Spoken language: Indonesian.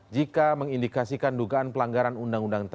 jika mengindikasikan dugaan pelanggaran undang undang tersebut